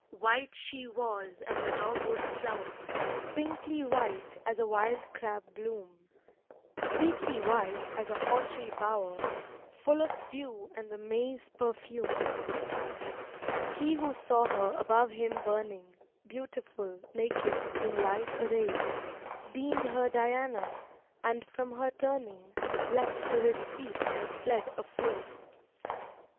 III White she was as a dogwood flower, Pinkly white as a wild crab bloom, Sweetly white as a hawtree bower Full of dew and the May's perfume. He who saw her above him burning, Beautiful, naked, in light arrayed, Deemed her Diana, and from her turning, Leapt to his feet and fled afraid.